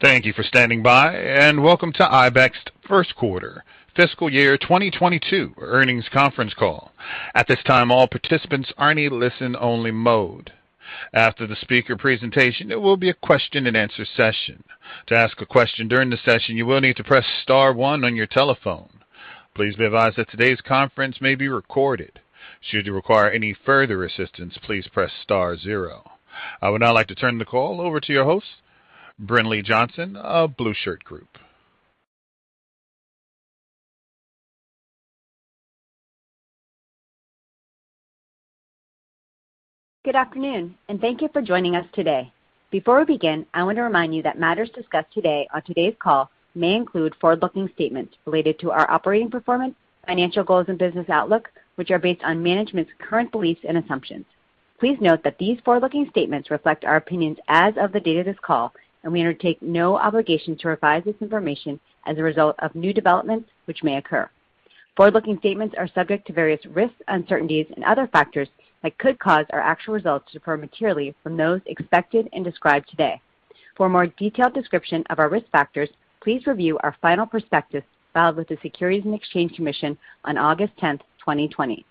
Thank you for standing by, and welcome to IBEX first quarter fiscal year 2022 earnings conference call. At this time, all participants are in a listen-only mode. After the speaker presentation, there will be a question-and-answer session. To ask a question during the session, you will need to press star one on your telephone. Please be advised that today's conference may be recorded. Should you require any further assistance, please press star zero. I would now like to turn the call over to your host, Brinlea Johnson of The Blueshirt Group. Good afternoon, and thank you for joining us today. Before we begin, I want to remind you that matters discussed today on today's call may include forward-looking statements related to our operating performance, financial goals and business outlook, which are based on management's current beliefs and assumptions. Please note that these forward-looking statements reflect our opinions as of the date of this call, and we undertake no obligation to revise this information as a result of new developments, which may occur. Forward-looking statements are subject to various risks, uncertainties, and other factors that could cause our actual results to differ materially from those expected and described today. For a more detailed description of our risk factors, please review our final prospectus filed with the Securities and Exchange Commission on August 10, 2020.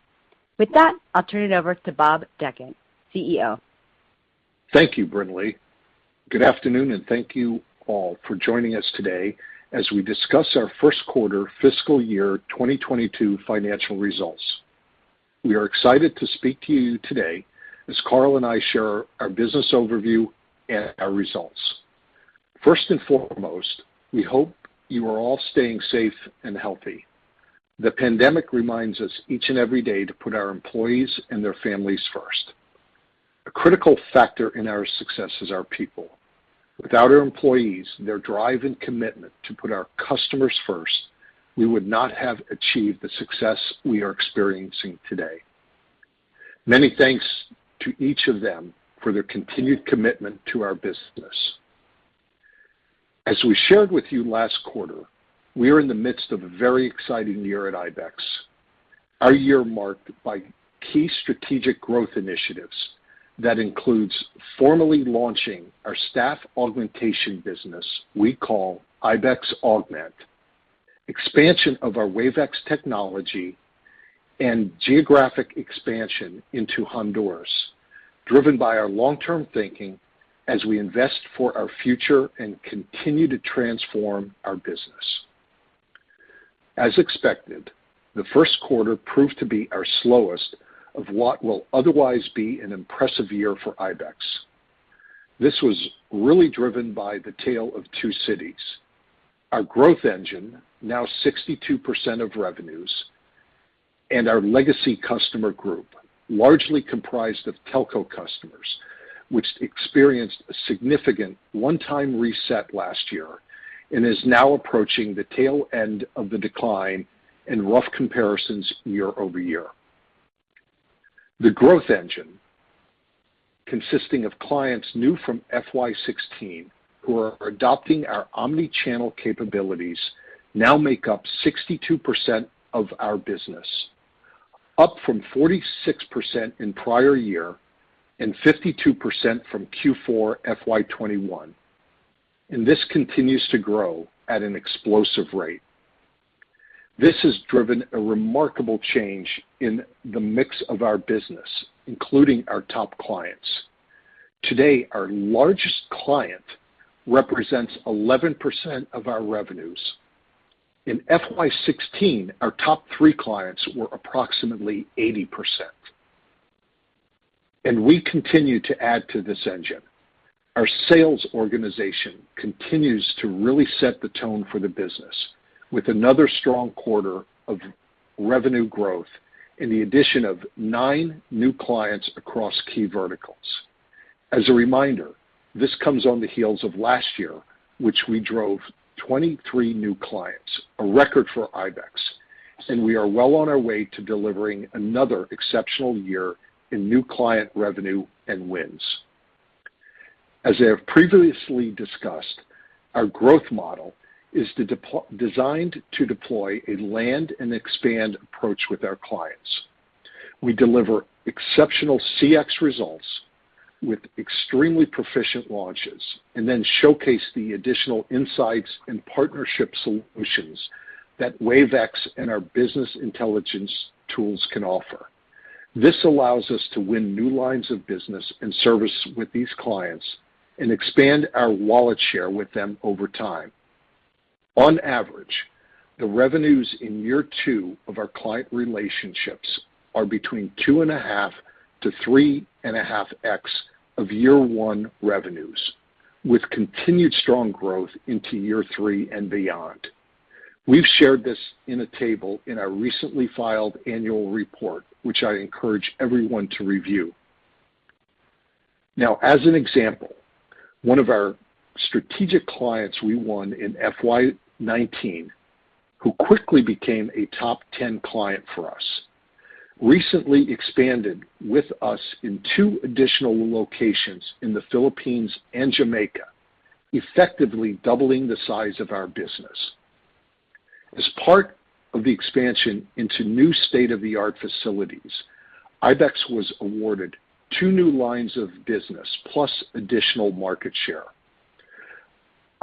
With that, I'll turn it over to Bob Dechant, CEO. Thank you, Brinlea. Good afternoon, and thank you all for joining us today as we discuss our first quarter fiscal year 2022 financial results. We are excited to speak to you today as Karl and I share our business overview and our results. First and foremost, we hope you are all staying safe and healthy. The pandemic reminds us each and every day to put our employees and their families first. A critical factor in our success is our people. Without our employees, their drive and commitment to put our customers first, we would not have achieved the success we are experiencing today. Many thanks to each of them for their continued commitment to our business. As we shared with you last quarter, we are in the midst of a very exciting year at IBEX. Our year was marked by key strategic growth initiatives that includes formally launching our staff augmentation business we call Augment by IBEX, expansion of our Wave iX technology and geographic expansion into Honduras, driven by our long-term thinking as we invest for our future and continue to transform our business. As expected, the first quarter proved to be our slowest of what will otherwise be an impressive year for IBEX. This was really driven by the tale of two cities. Our growth engine, now 62% of revenues, and our legacy customer group, largely comprised of telco customers, which experienced a significant one-time reset last year and is now approaching the tail end of the decline in rough comparisons year-over-year. The growth engine, consisting of clients new from FY 2016 who are adopting our omnichannel capabilities, now make up 62% of our business, up from 46% in prior year and 52% from Q4 FY 2021. This continues to grow at an explosive rate. This has driven a remarkable change in the mix of our business, including our top clients. Today, our largest client represents 11% of our revenues. In FY 2016, our top three clients were approximately 80%. We continue to add to this engine. Our sales organization continues to really set the tone for the business with another strong quarter of revenue growth and the addition of nine new clients across key verticals. As a reminder, this comes on the heels of last year, which we drove 23 new clients, a record for IBEX, and we are well on our way to delivering another exceptional year in new client revenue and wins. As I have previously discussed, our growth model is designed to deploy a land and expand approach with our clients. We deliver exceptional CX results with extremely proficient launches and then showcase the additional insights and partnership solutions that Wave iX and our business intelligence tools can offer. This allows us to win new lines of business and service with these clients and expand our wallet share with them over time. On average, the revenues in year two of our client relationships are between 2.5-3.5x of year one revenues, with continued strong growth into year three and beyond. We've shared this in a table in our recently filed annual report, which I encourage everyone to review. Now, as an example, one of our strategic clients we won in FY 2019, who quickly became a top 10 client for us, recently expanded with us in two additional locations in the Philippines and Jamaica, effectively doubling the size of our business. As part of the expansion into new state-of-the-art facilities, IBEX was awarded two new lines of business plus additional market share.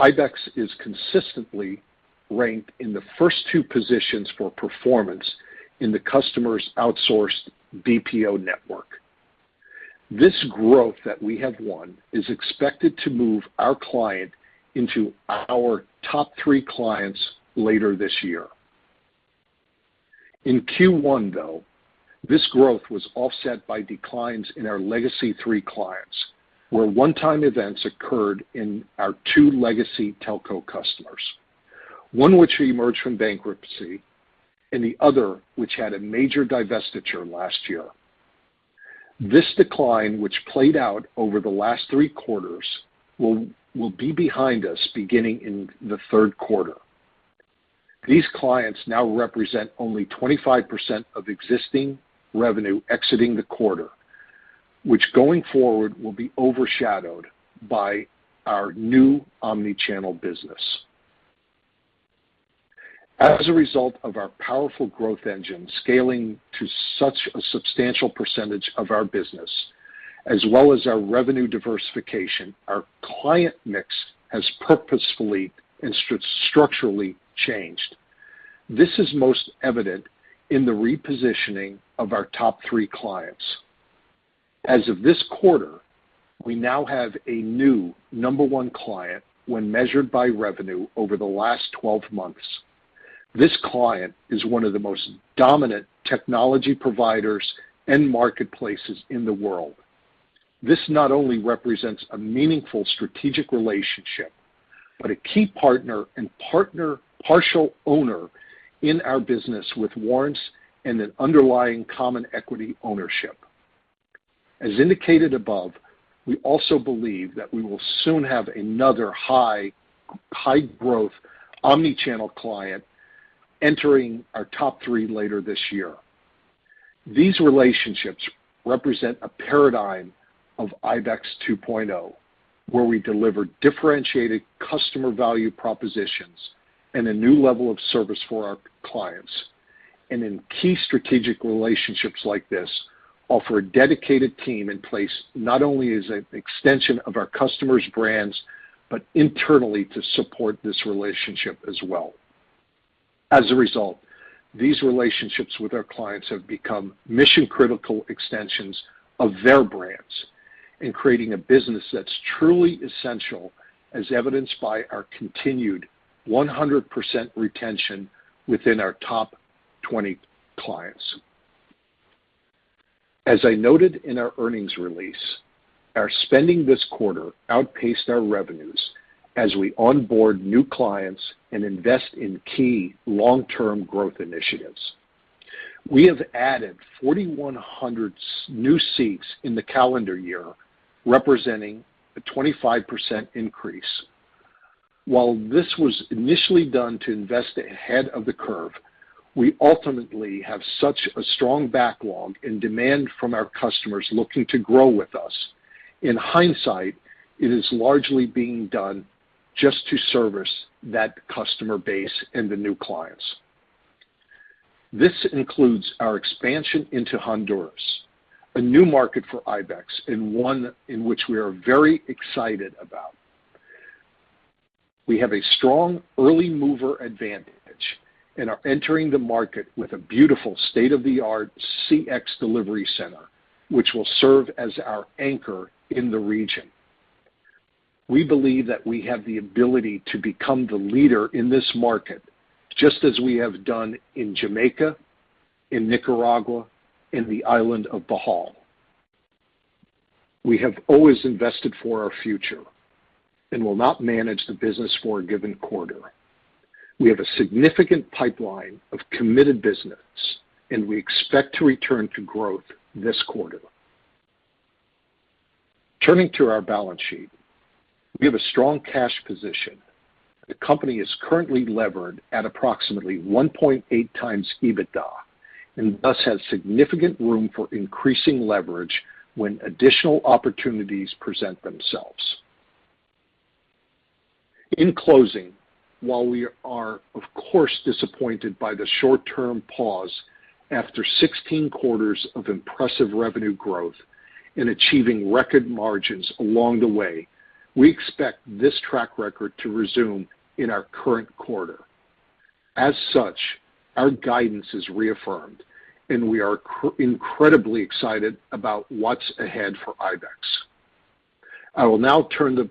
IBEX is consistently ranked in the first two positions for performance in the customer's outsourced BPO network. This growth that we have won is expected to move our client into our top three clients later this year. In Q1, though, this growth was offset by declines in our legacy three clients, where one-time events occurred in our two legacy telco customers, one which emerged from bankruptcy and the other which had a major divestiture last year. This decline, which played out over the last three quarters, will be behind us beginning in the third quarter. These clients now represent only 25% of existing revenue exiting the quarter, which going forward will be overshadowed by our new omnichannel business. As a result of our powerful growth engine scaling to such a substantial percentage of our business as well as our revenue diversification, our client mix has purposefully and structurally changed. This is most evident in the repositioning of our top three clients. As of this quarter, we now have a new number one client when measured by revenue over the last 12 months. This client is one of the most dominant technology providers and marketplaces in the world. This not only represents a meaningful strategic relationship, but a key partner and partial owner in our business with warrants and an underlying common equity ownership. As indicated above, we also believe that we will soon have another high-growth omnichannel client entering our top three later this year. These relationships represent a paradigm of IBEX 2.0, where we deliver differentiated customer value propositions and a new level of service for our clients. In key strategic relationships like this, offer a dedicated team in place, not only as an extension of our customers' brands, but internally to support this relationship as well. As a result, these relationships with our clients have become mission-critical extensions of their brands in creating a business that's truly essential, as evidenced by our continued 100% retention within our top 20 clients. As I noted in our earnings release, our spending this quarter outpaced our revenues as we onboard new clients and invest in key long-term growth initiatives. We have added 4,100 new seats in the calendar year, representing a 25% increase. While this was initially done to invest ahead of the curve, we ultimately have such a strong backlog and demand from our customers looking to grow with us. In hindsight, it is largely being done just to service that customer base and the new clients. This includes our expansion into Honduras, a new market for IBEX, and one in which we are very excited about. We have a strong early mover advantage and are entering the market with a beautiful state-of-the-art CX delivery center, which will serve as our anchor in the region. We believe that we have the ability to become the leader in this market, just as we have done in Jamaica, in Nicaragua, and the island of Bohol. We have always invested for our future and will not manage the business for a given quarter. We have a significant pipeline of committed business, and we expect to return to growth this quarter. Turning to our balance sheet. We have a strong cash position. The company is currently levered at approximately 1.8x EBITDA and thus has significant room for increasing leverage when additional opportunities present themselves. In closing, while we are of course disappointed by the short-term pause after 16 quarters of impressive revenue growth in achieving record margins along the way, we expect this track record to resume in our current quarter. As such, our guidance is reaffirmed, and we are incredibly excited about what's ahead for IBEX. I will now turn the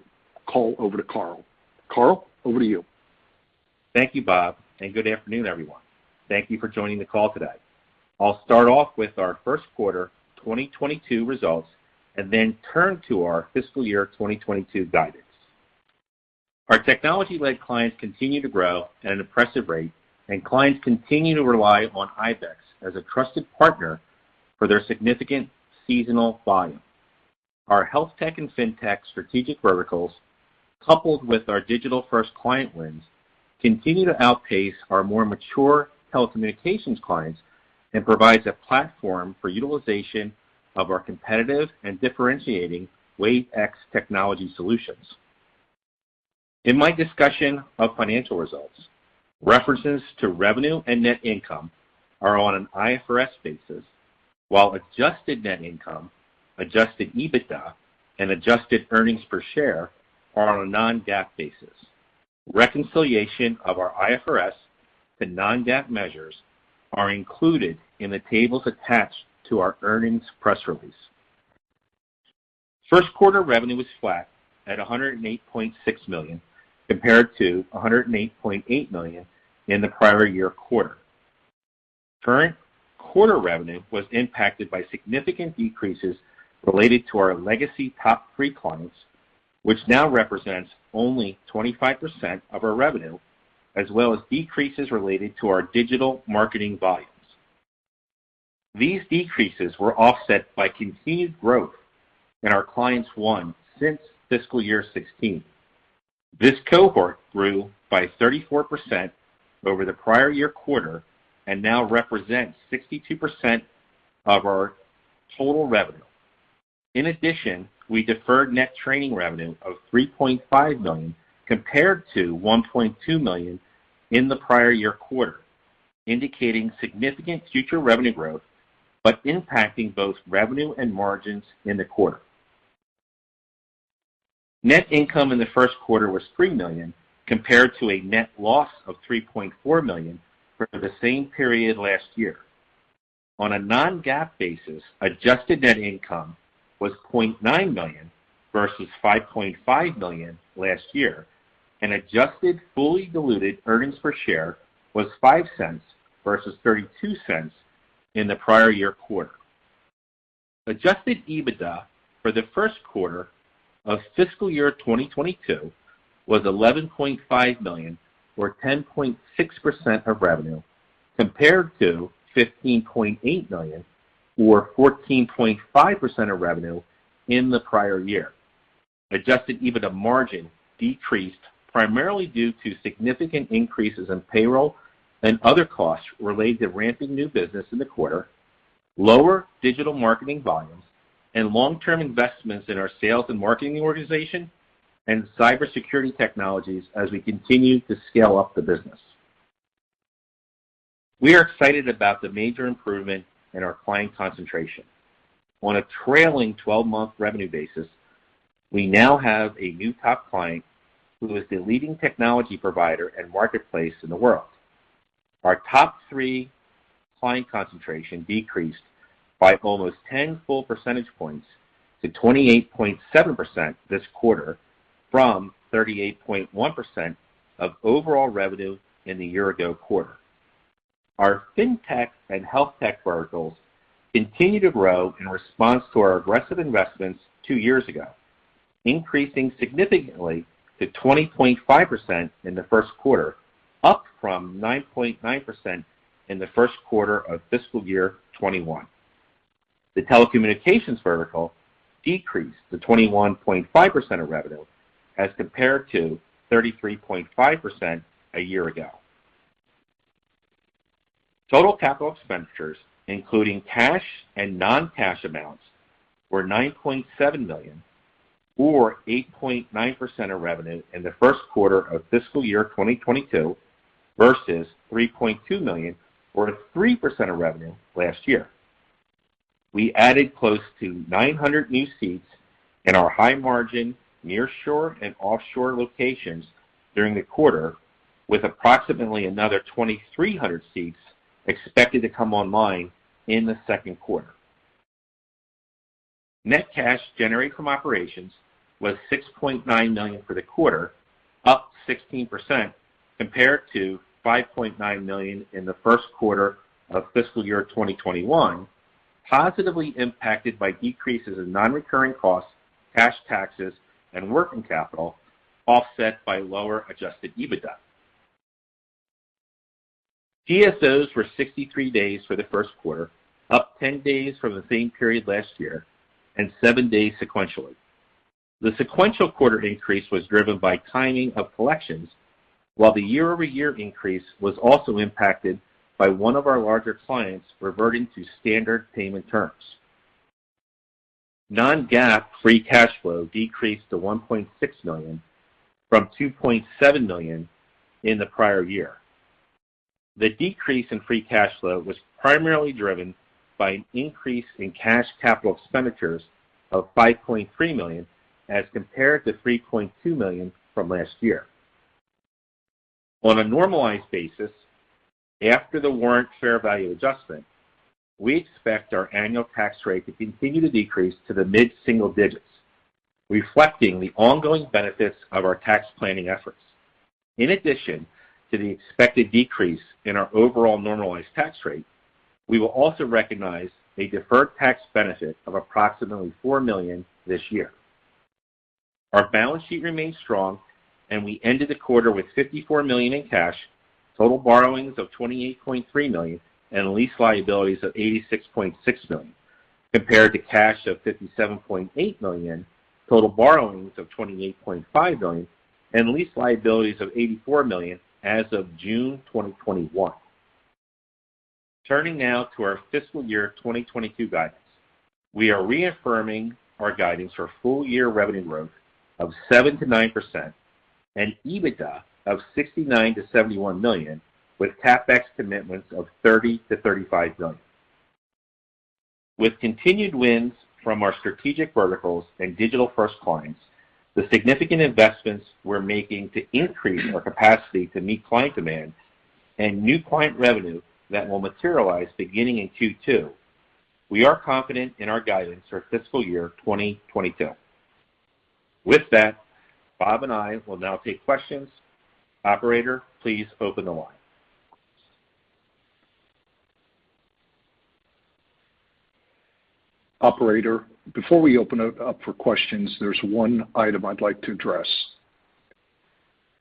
call over to Karl. Karl, over to you. Thank you, Bob, and good afternoon, everyone. Thank you for joining the call today. I'll start off with our first quarter 2022 results and then turn to our fiscal year 2022 guidance. Our technology-led clients continue to grow at an impressive rate, and clients continue to rely on IBEX as a trusted partner for their significant seasonal volume. Our healthtech and fintech strategic verticals, coupled with our digital-first client wins, continue to outpace our more mature telecommunications clients, and provides a platform for utilization of our competitive and differentiating Wave iX technology solutions. In my discussion of financial results, references to revenue and net income are on an IFRS basis, while adjusted net income, adjusted EBITDA, and adjusted earnings per share are on a non-GAAP basis. Reconciliation of our IFRS to non-GAAP measures are included in the tables attached to our earnings press release. First quarter revenue was flat at $108.6 million compared to $108.8 million in the prior year quarter. Current quarter revenue was impacted by significant decreases related to our legacy top three clients, which now represents only 25% of our revenue, as well as decreases related to our digital marketing volumes. These decreases were offset by continued growth in our clients won since FY 2016. This cohort grew by 34% over the prior year quarter and now represents 62% of our total revenue. In addition, we deferred net training revenue of $3.5 million compared to $1.2 million in the prior year quarter, indicating significant future revenue growth, but impacting both revenue and margins in the quarter. Net income in the first quarter was $3 million compared to a net loss of $3.4 million for the same period last year. On a non-GAAP basis, adjusted net income was $0.9 million versus $5.5 million last year, and adjusted fully diluted earnings per share was $0.05 versus $0.32 in the prior year quarter. Adjusted EBITDA for the first quarter of fiscal year 2022 was $11.5 million or 10.6% of revenue, compared to $15.8 million or 14.5% of revenue in the prior year. Adjusted EBITDA margin decreased primarily due to significant increases in payroll and other costs related to ramping new business in the quarter, lower digital marketing volumes, and long-term investments in our sales and marketing organization and cybersecurity technologies as we continue to scale up the business. We are excited about the major improvement in our client concentration. On a trailing twelve-month revenue basis, we now have a new top client who is the leading technology provider and marketplace in the world. Our top three client concentration decreased by almost 10 full percentage points to 28.7% this quarter from 38.1% of overall revenue in the year ago quarter. Our fintech and healthtech verticals continue to grow in response to our aggressive investments two years ago, increasing significantly to 20.5% in the first quarter, up from 9.9% in the first quarter of fiscal year 2021. The telecommunications vertical decreased to 21.5% of revenue as compared to 33.5% a year ago. Total capital expenditures, including cash and non-cash amounts, were $9.7 million or 8.9% of revenue in the first quarter of fiscal year 2022 versus $3.2 million or 3% of revenue last year. We added close to 900 new seats in our high margin nearshore and offshore locations during the quarter, with approximately another 2,300 seats expected to come online in the second quarter. Net cash generated from operations was $6.9 million for the quarter, up 16% compared to $5.9 million in the first quarter of fiscal year 2021, positively impacted by decreases in non-recurring costs, cash taxes, and working capital, offset by lower adjusted EBITDA. DSOs were 63 days for the first quarter, up 10 days from the same period last year and seven days sequentially. The sequential quarter increase was driven by timing of collections, while the year-over-year increase was also impacted by one of our larger clients reverting to standard payment terms. Non-GAAP free cash flow decreased to $1.6 million from $2.7 million in the prior year. The decrease in free cash flow was primarily driven by an increase in cash capital expenditures of $5.3 million as compared to $3.2 million from last year. On a normalized basis, after the warrant share value adjustment, we expect our annual tax rate to continue to decrease to the mid-single digits%, reflecting the ongoing benefits of our tax planning efforts. In addition to the expected decrease in our overall normalized tax rate, we will also recognize a deferred tax benefit of approximately $4 million this year. Our balance sheet remains strong and we ended the quarter with $54 million in cash, total borrowings of $28.3 million, and lease liabilities of $86.6 million. Compared to cash of $57.8 million, total borrowings of $28.5 million, and lease liabilities of $84 million as of June 2021. Turning now to our fiscal year 2022 guidance. We are reaffirming our guidance for full-year revenue growth of 7%-9% and EBITDA of $69 million-$71 million, with CapEx commitments of $30 million-$35 million. With continued wins from our strategic verticals and digital-first clients, the significant investments we're making to increase our capacity to meet client demand, and new client revenue that will materialize beginning in Q2, we are confident in our guidance for fiscal year 2022. With that, Bob and I will now take questions. Operator, please open the line. Operator, before we open up for questions, there's one item I'd like to address.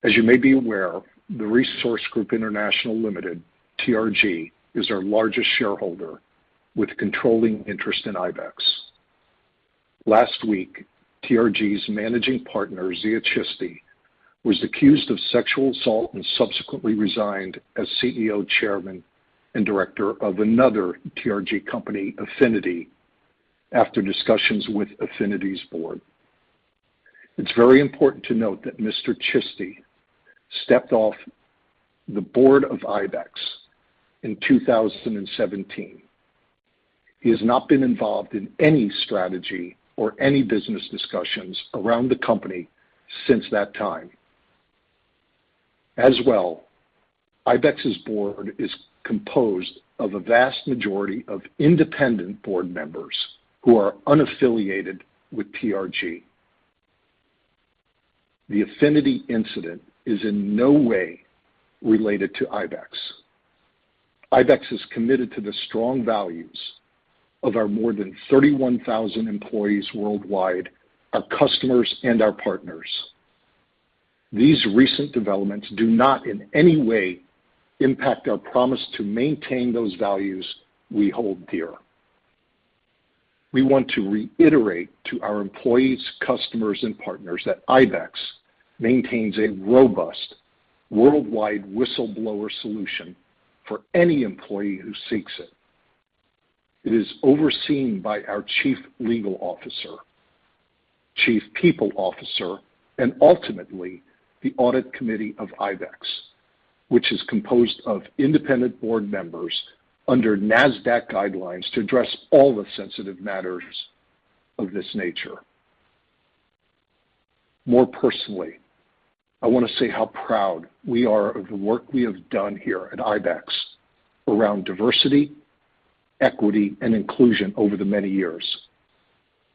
As you may be aware, The Resource Group International Limited, TRG, is our largest shareholder with controlling interest in IBEX. Last week, TRG's managing partner, Zia Chishti, was accused of sexual assault and subsequently resigned as CEO, Chairman, and Director of another TRG company, Afiniti, after discussions with Afiniti's board. It's very important to note that Mr. Chishti stepped off the board of IBEX in 2017. He has not been involved in any strategy or any business discussions around the company since that time. As well, IBEX's board is composed of a vast majority of independent board members who are unaffiliated with TRG. The Afiniti incident is in no way related to IBEX. IBEX is committed to the strong values of our more than 31,000 employees worldwide, our customers, and our partners. These recent developments do not in any way impact our promise to maintain those values we hold dear. We want to reiterate to our employees, customers, and partners that IBEX maintains a robust worldwide whistleblower solution for any employee who seeks it. It is overseen by our Chief Legal Officer, Chief People Officer, and ultimately, the audit committee of IBEX, which is composed of independent board members under Nasdaq guidelines to address all the sensitive matters of this nature. More personally, I wanna say how proud we are of the work we have done here at IBEX around diversity, equity, and inclusion over the many years.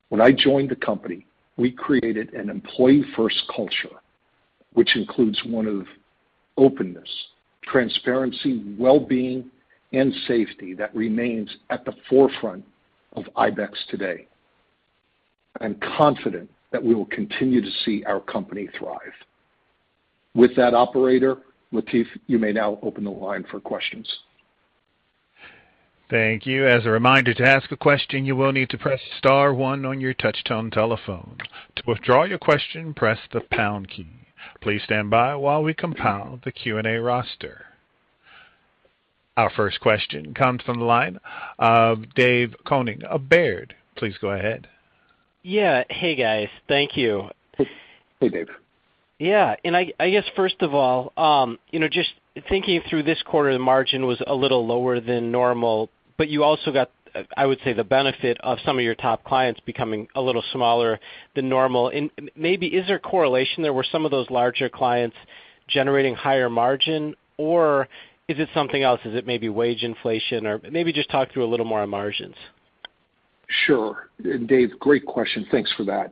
When I joined the company, we created an employee-first culture, which includes one of openness, transparency, well-being, and safety that remains at the forefront of IBEX today. I'm confident that we will continue to see our company thrive. With that, operator, Latif, you may now open the line for questions. Thank you. As a reminder, to ask a question, you will need to press star one on your touch-tone telephone. To withdraw your question, press the pound key. Please stand by while we compile the Q&A roster. Our first question comes from the line of Dave Koning of Baird. Please go ahead. Yeah. Hey, guys. Thank you. Hey, Dave. Yeah. I guess first of all, you know, just thinking through this quarter, the margin was a little lower than normal, but you also got, I would say the benefit of some of your top clients becoming a little smaller than normal. Maybe is there correlation there, were some of those larger clients generating higher margin, or is it something else? Is it maybe wage inflation? Maybe just talk through a little more on margins. Sure. Dave, great question. Thanks for that.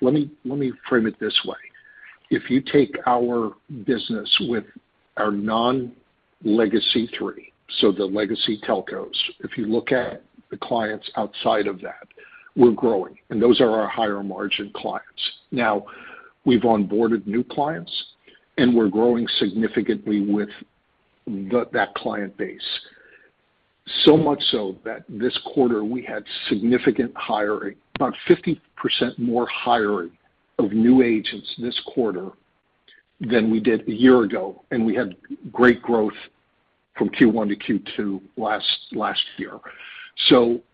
Let me frame it this way. If you take our business with our non-legacy. The three, so the legacy telcos. If you look at the clients outside of that, we're growing, and those are our higher-margin clients. Now, we've onboarded new clients, and we're growing significantly with that client base. So much so that this quarter we had significant hiring, about 50% more hiring of new agents this quarter than we did a year ago, and we had great growth from Q1 to Q2 last year.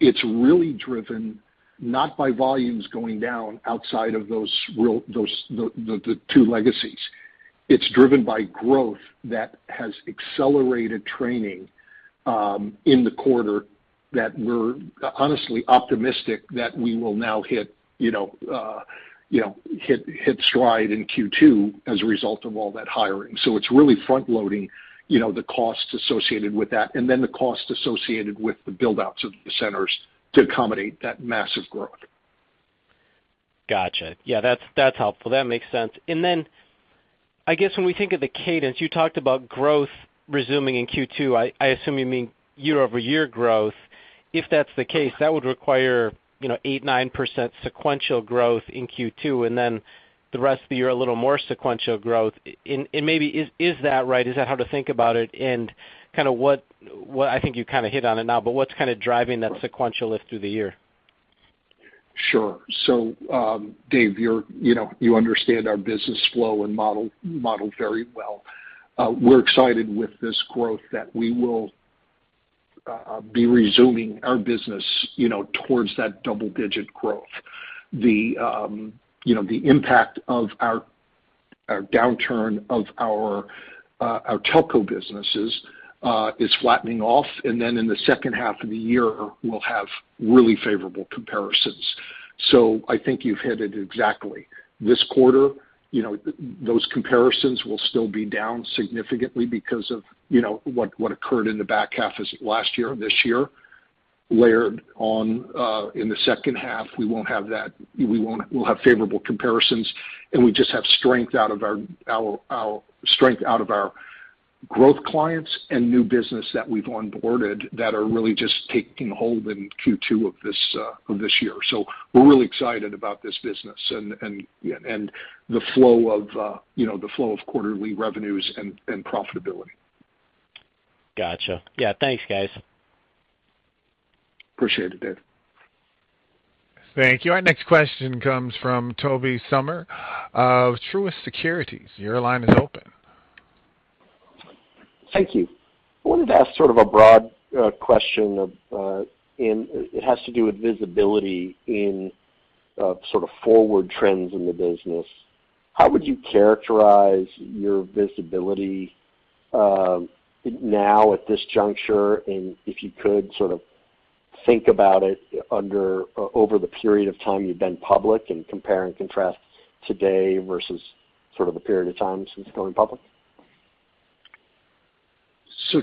It's really driven not by volumes going down outside of those, the two legacies. It's driven by growth that has accelerated training in the quarter that we're honestly optimistic that we will now hit stride in Q2 as a result of all that hiring. It's really front-loading, you know, the costs associated with that, and then the cost associated with the build-outs of the centers to accommodate that massive growth. Gotcha. Yeah, that's helpful. That makes sense. Then I guess when we think of the cadence, you talked about growth resuming in Q2. I assume you mean year-over-year growth. If that's the case, that would require, you know, 8%-9% sequential growth in Q2, and then the rest of the year, a little more sequential growth. Maybe is that right? Is that how to think about it? Kinda what I think you kinda hit on it now, but what's kinda driving that sequential lift through the year? Sure. Dave, you're, you know, you understand our business flow and model very well. We're excited with this growth that we will be resuming our business, you know, towards that double-digit growth. The impact of our downturn of our telco businesses is flattening off, and then in the second half of the year, we'll have really favorable comparisons. I think you've hit it exactly. This quarter, you know, those comparisons will still be down significantly because of, you know, what occurred in the back half of last year or this year, layered on, in the second half, we'll have favorable comparisons, and we just have strength out of our growth clients and new business that we've onboarded that are really just taking hold in Q2 of this year. We're really excited about this business and the flow of quarterly revenues and profitability. Gotcha. Yeah. Thanks, guys. Appreciate it, Dave. Thank you. Our next question comes from Tobey Sommer of Truist Securities. Your line is open. Thank you. I wanted to ask sort of a broad question. It has to do with visibility in sort of forward trends in the business. How would you characterize your visibility now at this juncture? If you could sort of think about it over the period of time you've been public and compare and contrast today versus sort of the period of time since going public.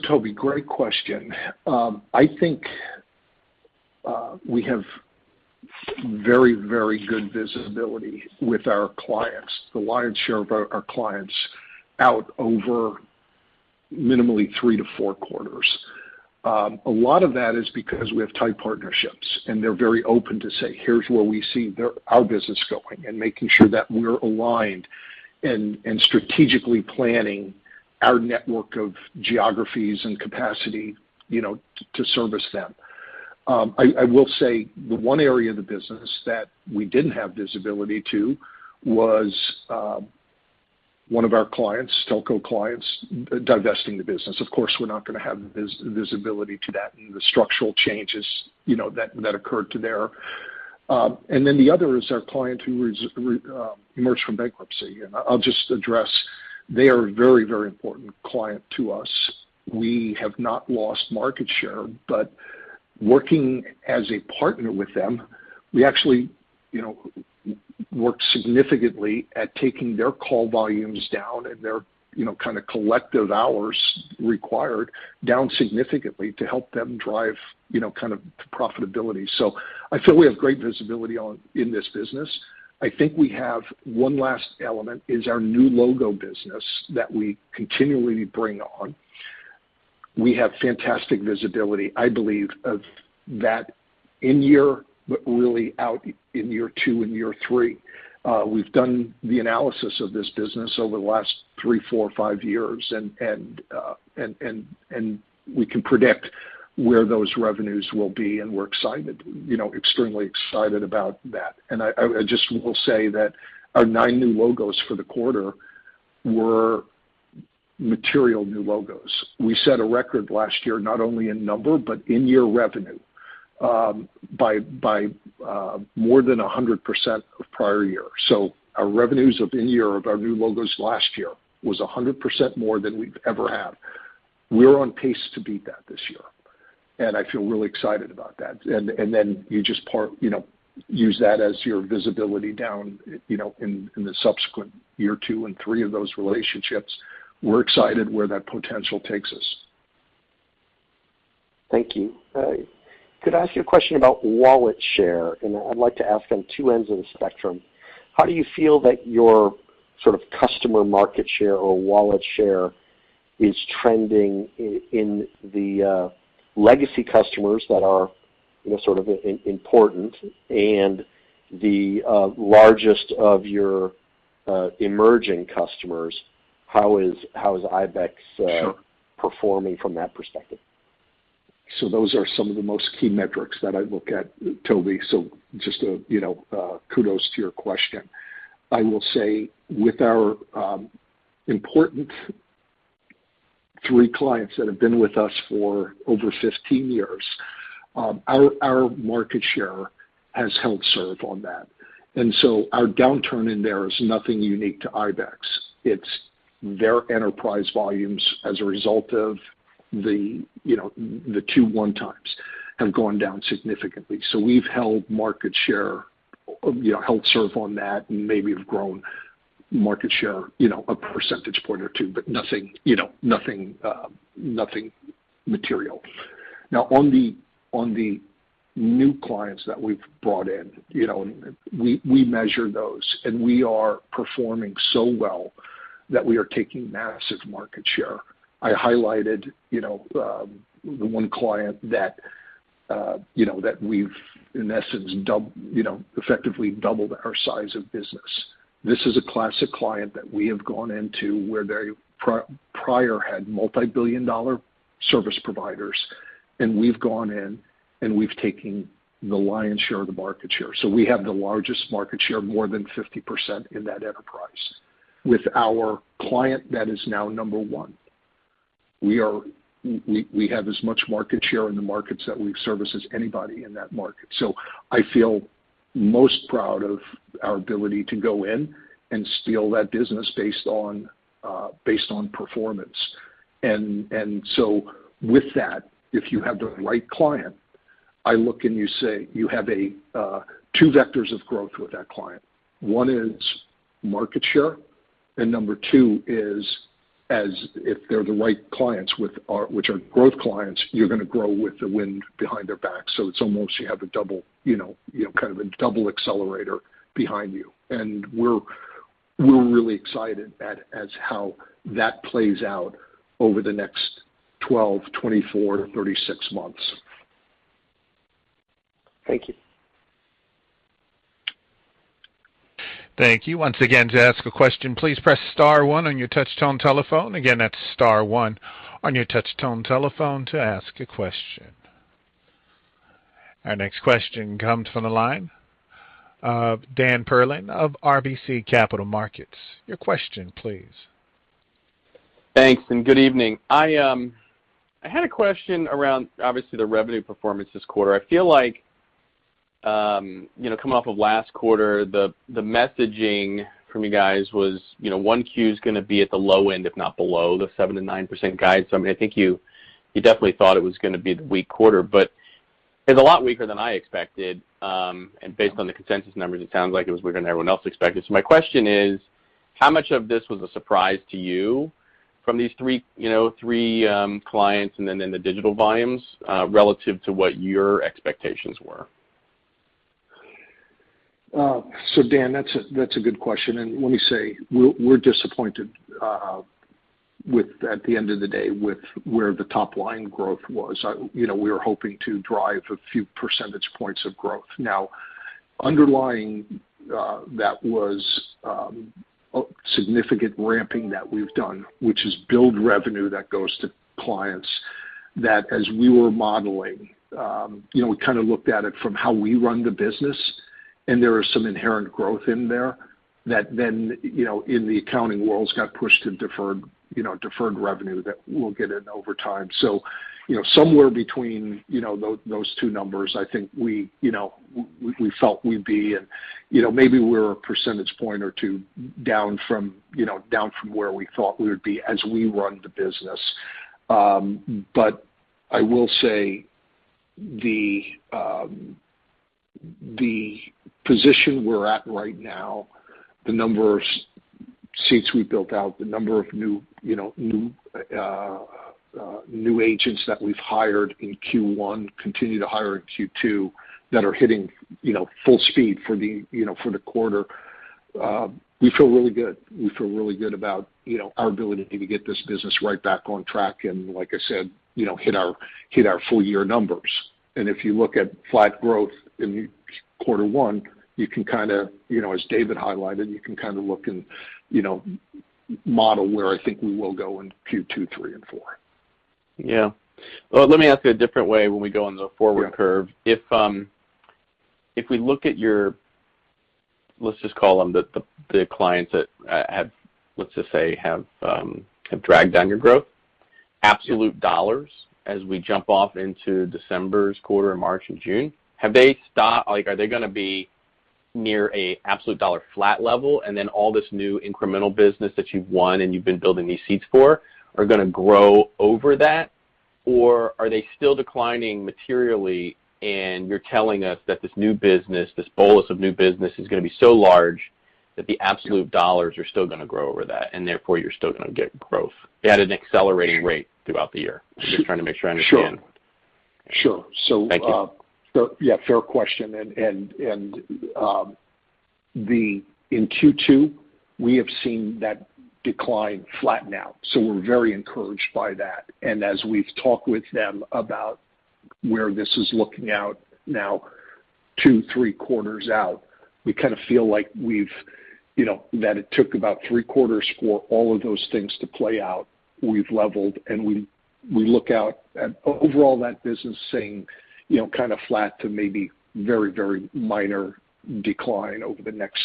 Tobey, great question. I think we have very, very good visibility with our clients, the lion's share of our clients out over minimally three to four quarters. A lot of that is because we have tight partnerships, and they're very open to say, "Here's where we see our business going," and making sure that we're aligned and strategically planning our network of geographies and capacity, you know, to service them. I will say the one area of the business that we didn't have visibility to was one of our clients, telco clients, divesting the business. Of course, we're not gonna have visibility to that and the structural changes, you know, that occurred to their. And then the other is our client who re-emerged from bankruptcy. I'll just address, they are a very, very important client to us. We have not lost market share, but working as a partner with them, we actually worked significantly at taking their call volumes down and their kind of collective hours required down significantly to help them drive kind of profitability. I feel we have great visibility in this business. I think we have one last element is our new logo business that we continually bring on. We have fantastic visibility, I believe, of that in year, but really out in year two and year three. We've done the analysis of this business over the last three, four, five years, and we can predict where those revenues will be, and we're excited, extremely excited about that. I just will say that our nine new logos for the quarter were material new logos. We set a record last year, not only in number, but in year revenue, by more than 100% of prior year. Our revenues of in year of our new logos last year was 100% more than we've ever had. We're on pace to beat that this year, and I feel really excited about that. Then you just part, you know, use that as your visibility down, you know, in the subsequent year two and three of those relationships. We're excited where that potential takes us. Thank you. Could I ask you a question about wallet share? I'd like to ask on two ends of the spectrum. How do you feel that your sort of customer market share or wallet share is trending in the legacy customers that are sort of important and the largest of your emerging customers? How is IBEX- Sure. Performing from that perspective? Those are some of the most key metrics that I look at, Tobey. Just, you know, kudos to your question. I will say with our important three clients that have been with us for over 15 years, our market share has held serve on that. Our downturn in there is nothing unique to IBEX. It's their enterprise volumes as a result of the, you know, the 2.1x have gone down significantly. We've held market share, you know, held serve on that and maybe have grown market share, you know, a percentage point or 2, but nothing, you know, nothing material. Now, on the new clients that we've brought in, you know, we measure those, and we are performing so well that we are taking massive market share. I highlighted, you know, the one client that, you know, that we've, in essence, doubled our size of business. This is a classic client that we have gone into where they previously had multi-billion-dollar service providers, and we've gone in and we've taken the lion's share of the market share. We have the largest market share, more than 50% in that enterprise. With our client that is now number one, we have as much market share in the markets that we service as anybody in that market. I feel most proud of our ability to go in and steal that business based on performance. With that, if you have the right client, I look and you say you have two vectors of growth with that client. One is market share, and number two is as if they're the right clients with ours—which are growth clients, you're gonna grow with the wind behind their back. So it's almost you have a double, you know, kind of a double accelerator behind you. We're really excited as to how that plays out over the next 12, 24-36 months. Thank you. Thank you. Our next question comes from the line of Dan Perlin of RBC Capital Markets. Your question please. Thanks and good evening. I had a question around obviously the revenue performance this quarter. I feel like, you know, coming off of last quarter, the messaging from you guys was, you know, Q1 is gonna be at the low end, if not below the 7%-9% guide. I mean, I think you definitely thought it was gonna be the weak quarter, but it's a lot weaker than I expected, and based on the consensus numbers, it sounds like it was weaker than everyone else expected. My question is, how much of this was a surprise to you from these three clients and then the digital volumes relative to what your expectations were? Dan, that's a good question, and let me say we're disappointed, at the end of the day with where the top line growth was. You know, we were hoping to drive a few percentage points of growth. Now, underlying, that was significant ramping that we've done, which is build revenue that goes to clients that as we were modeling, you know, we kinda looked at it from how we run the business, and there is some inherent growth in there that then, you know, in the accounting worlds got pushed to deferred revenue that we'll get in over time. You know, somewhere between those two numbers, I think we, you know, we felt we'd be. You know, maybe we're a percentage point or two down from, you know, where we thought we would be as we run the business. I will say the position we're at right now, the number of seats we built out, the number of new, you know, agents that we've hired in Q1, continue to hire in Q2 that are hitting, you know, full speed for the, you know, quarter, we feel really good. We feel really good about, you know, our ability to get this business right back on track and like I said, you know, hit our full year numbers. If you look at flat growth in quarter one, you can kinda, you know, as David highlighted, you can kinda look and, you know, model where I think we will go in Q2, Q3 and Q4. Yeah. Well, let me ask you a different way when we go on the forward curve. If we look at your, let's just call them the clients that have dragged down your growth, absolute dollars as we jump off into December's quarter, March and June, have they like are they gonna be near a absolute dollar flat level and then all this new incremental business that you've won and you've been building these seats for are gonna grow over that? Or are they still declining materially and you're telling us that this new business, this bolus of new business is gonna be so large that the absolute dollars are still gonna grow over that, and therefore you're still gonna get growth at an accelerating rate throughout the year? I'm just trying to make sure I understand. Sure. Sure. Thank you. Yeah, fair question. In Q2, we have seen that decline flatten out. We're very encouraged by that. As we've talked with them about where this is looking out now two, three quarters out, we kinda feel like we've, you know, that it took about three quarters for all of those things to play out. We've leveled, and we look out at overall that business saying, you know, kinda flat to maybe very minor decline over the next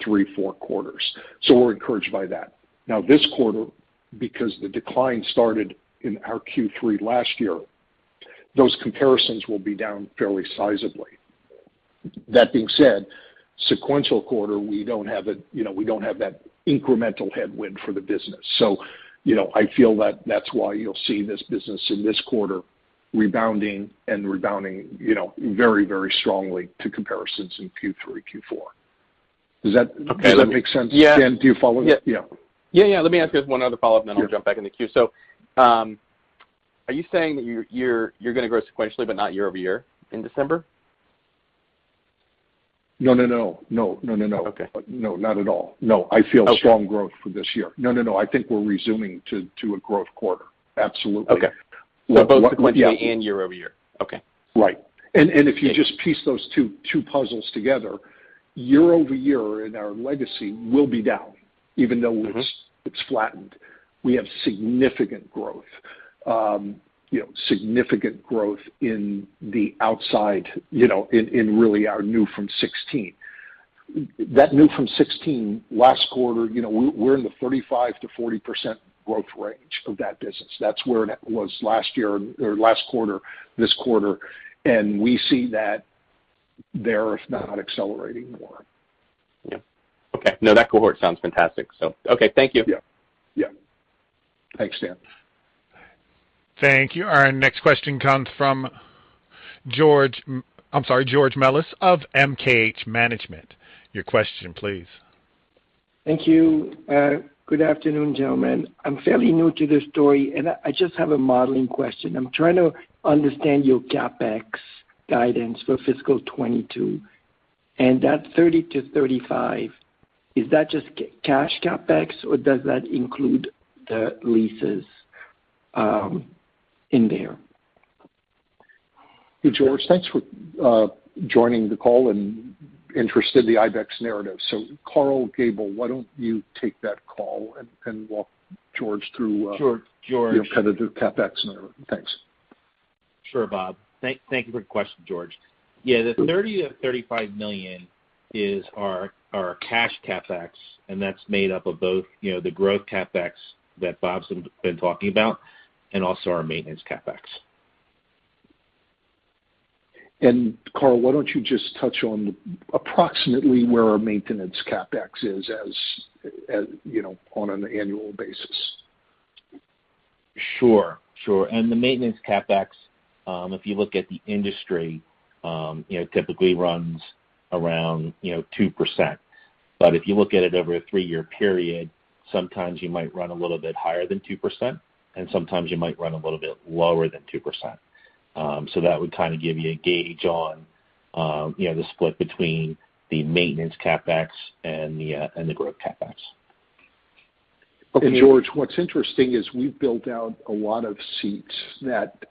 three, four quarters. We're encouraged by that. Now this quarter, because the decline started in our Q3 last year, those comparisons will be down fairly sizably. That being said, sequential quarter, we don't have, you know, that incremental headwind for the business. You know, I feel that that's why you'll see this business in this quarter rebounding, you know, very, very strongly to comparisons in Q3, Q4. Does that- Okay. Does that make sense? Yeah. Dan, do you follow? Yeah. Yeah, yeah. Let me ask you just one other follow-up, and then I'll jump back in the queue. Are you saying that you're gonna grow sequentially but not year over year in December? No. Okay. No, not at all. No. Okay. I feel strong growth for this year. No. I think we're resuming to a growth quarter. Absolutely. Okay. Well- Both sequentially and year-over-year. Okay. Right. Thank you. If you just piece those two puzzles together, year-over-year in our legacy will be down, even though it's Mm-hmm. It's flattened. We have significant growth, you know, significant growth in outsourcing, you know, in really our new revenue from FY 2016. That new revenue from FY 2016 last quarter, you know, we're in the 35%-40% growth range of that business. That's where it was last year or last quarter, this quarter, and we see that there, if not accelerating more. Yeah. Okay. No, that cohort sounds fantastic. Okay, thank you. Yeah. Yeah. Thanks, Dan. Thank you. Our next question comes from George Melas of MKH Management. Your question, please. Thank you. Good afternoon, gentlemen. I'm fairly new to this story, and I just have a modeling question. I'm trying to understand your CapEx guidance for fiscal 2022. That $30 million-$35 million, is that just cash CapEx, or does that include the leases in there? Hey, George, thanks for joining the call and your interest in the IBEX narrative. Karl Gabel, why don't you take that call and walk George through- Sure, George. The competitive CapEx narrative. Thanks. Sure, Bob. Thank you for the question, George. Yeah, the $30 million-$35 million is our cash CapEx, and that's made up of both, you know, the growth CapEx that Bob's been talking about and also our maintenance CapEx. Karl, why don't you just touch on approximately where our maintenance CapEx is as you know, on an annual basis? The maintenance CapEx, if you look at the industry, you know, typically runs around 2%. If you look at it over a three-year period, sometimes you might run a little bit higher than 2%, and sometimes you might run a little bit lower than 2%. That would kinda give you a gauge on, you know, the split between the maintenance CapEx and the growth CapEx. George, what's interesting is we've built out a lot of seats that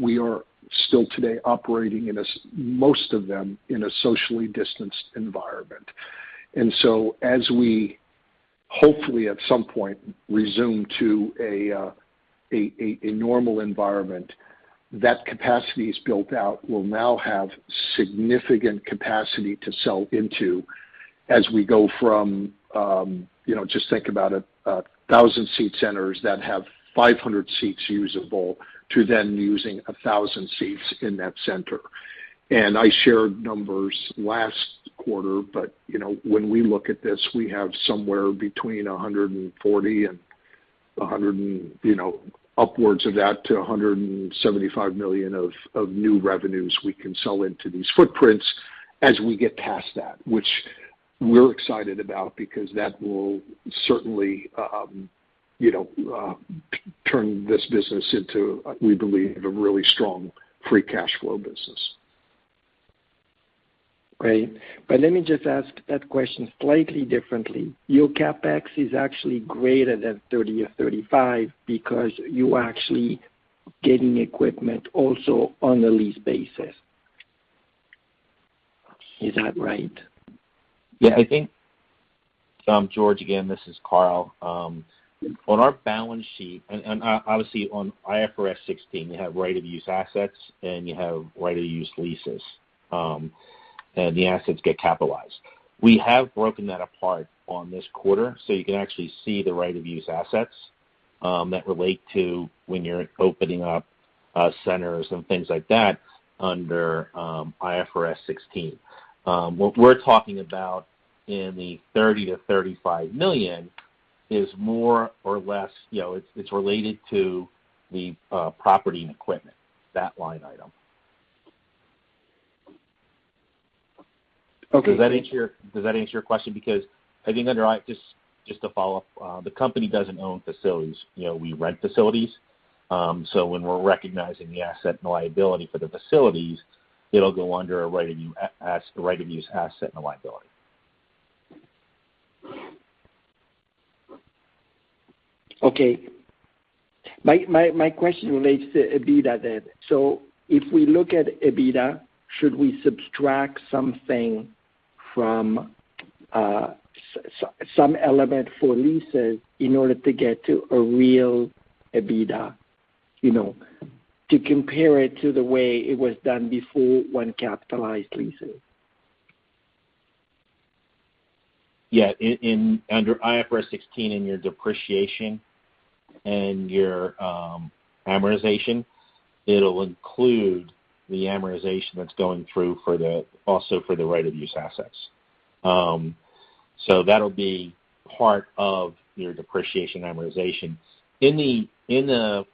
we are still today operating most of them in a socially distanced environment. As we hopefully at some point resume to a normal environment, that capacity is built out, we'll now have significant capacity to sell into as we go from, you know, just think about it, 1,000-seat centers that have 500 seats usable to then using 1,000 seats in that center. I shared numbers last quarter, but, you know, when we look at this, we have somewhere between 140 and 100 and. You know, upwards of that to $175 million of new revenues we can sell into these footprints as we get past that, which we're excited about because that will certainly, you know, turn this business into, we believe, a really strong free cash flow business. Great. Let me just ask that question slightly differently. Your CapEx is actually greater than $30 million-$35 million because you are actually getting equipment also on a lease basis. Is that right? Yeah, I think, George, again, this is Karl. On our balance sheet, and obviously on IFRS 16, you have right-of-use assets, and you have right-of-use leases, and the assets get capitalized. We have broken that apart on this quarter, so you can actually see the right-of-use assets that relate to when you're opening up centers and things like that under IFRS 16. What we're talking about in the $30 million-$35 million is more or less, you know, it's related to the property and equipment, that line item. Okay. Does that answer your question? Because I think just to follow up, the company doesn't own facilities. You know, we rent facilities. When we're recognizing the asset and liability for the facilities, it'll go under a right-of-use asset and liability. Okay. My question relates to EBITDA then. If we look at EBITDA, should we subtract something from some element for leases in order to get to a real EBITDA, you know, to compare it to the way it was done before one capitalized leases? Yeah. In under IFRS 16 in your depreciation and your amortization, it'll include the amortization that's going through for the, also for the right-of-use assets. So that'll be part of your depreciation amortization. In the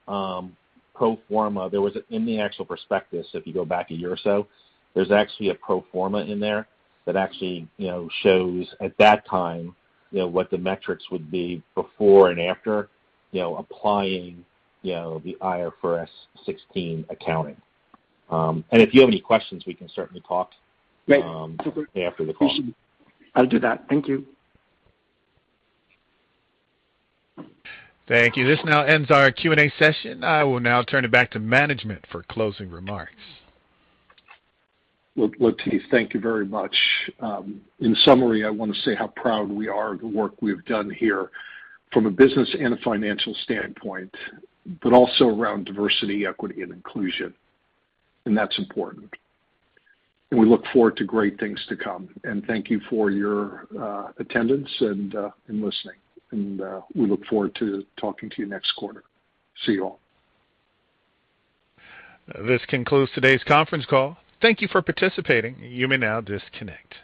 pro forma, there was a. In the actual prospectus, if you go back a year or so, there's actually a pro forma in there that actually, you know, shows at that time, you know, what the metrics would be before and after, you know, applying, you know, the IFRS 16 accounting. If you have any questions, we can certainly talk- Right. After the call. Appreciate it. I'll do that. Thank you. Thank you. This now ends our Q&A session. I will now turn it back to management for closing remarks. Well, Latif, thank you very much. In summary, I wanna say how proud we are of the work we've done here from a business and a financial standpoint, but also around diversity, equity, and inclusion. That's important. We look forward to great things to come. Thank you for your attendance and listening. We look forward to talking to you next quarter. See you all. This concludes today's conference call. Thank you for participating. You may now disconnect.